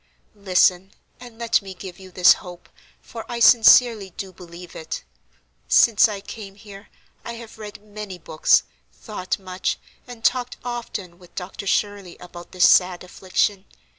"Listen, and let me give you this hope, for I sincerely do believe it. Since I came here, I have read many books, thought much, and talked often with Dr. Shirley about this sad affliction.